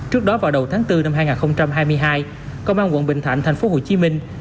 trước đó vào đầu tháng bốn năm hai nghìn hai mươi hai công an quận bình thạnh thành phố hồ chí minh